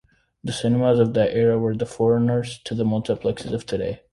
The cinemas of that era were the forerunners to the multiplexes of today.